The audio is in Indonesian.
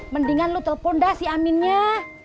mendingan lu telepon dah si aminnya